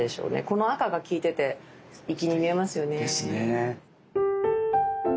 この赤が効いてて粋に見えますよね。ですね。